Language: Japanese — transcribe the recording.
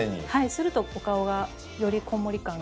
するとお顔がよりこんもり感が。